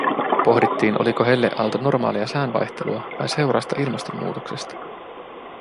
Pohdittiin oliko helleaalto normaalia sään vaihtelua vai seurausta ilmastonmuutoksesta.